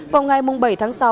vào ngày bảy tháng sáu